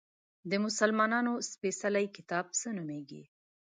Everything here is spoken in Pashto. د مسلمانانو سپیڅلی کتاب څه نومیږي؟